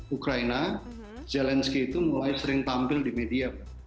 ukraina zelensky itu mulai sering tampil di media